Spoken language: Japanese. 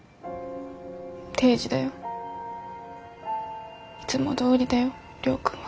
定時だよ。いつもどおりだよ亮君は。